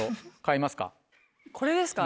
これですか？